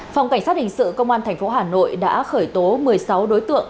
phòng cảnh sát hình sự công an thành phố hà nội đã khởi tố một mươi sáu đối tượng